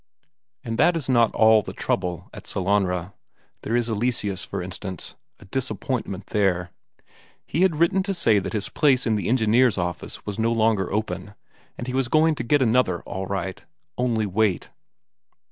And that is not all the trouble at Sellanraa. There is Eleseus, for instance a disappointment there. He had written to say that his place in the engineer's office was no longer open, but he was going to get another all right only wait.